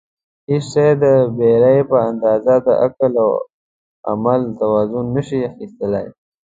هېڅ شی د بېرې په اندازه د عقل او عمل توان نشي اخیستلای.